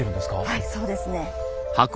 はいそうですね。